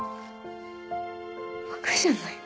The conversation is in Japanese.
バカじゃないの？